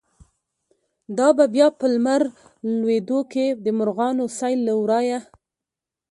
دابه بیا په لمر لویدوکی، دمرغانو سیل له ورایه”